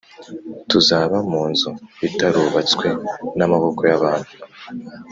Tuzaba mu nzu itarubatswe n’amaboko y’abantu